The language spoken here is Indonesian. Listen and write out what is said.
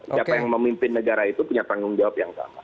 siapa yang memimpin negara itu punya tanggung jawab yang sama